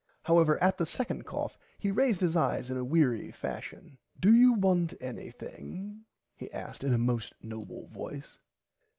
However at the second cough he raised his eyes in a weary fashion. do you want anything he asked in a most noble voice.